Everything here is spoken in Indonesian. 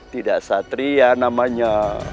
tidak satria namanya